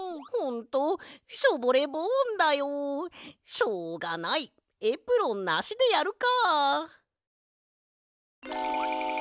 しょうがないエプロンなしでやるか。